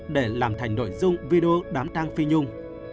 để làm thành nội dung video đám tang phi nhung